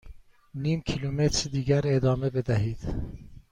نیم کیلومتر دیگر ادامه بدهید.